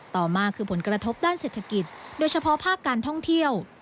ต่อมาคือผลกระทบด้านเศรษฐกิจโดยเฉพาะภาคการท่องเที่ยว